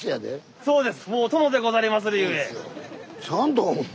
そうですね。